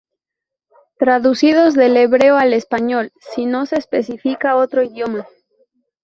Traducidos del hebreo al español si no se especifica otro idioma